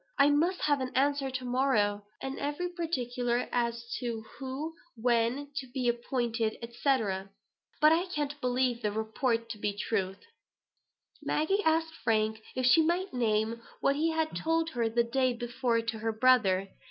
I must have an answer to morrow, and every particular as to who when to be appointed, &c. But I can't believe the report to be true." Maggie asked Frank if she might name what he had told her the day before to her brother.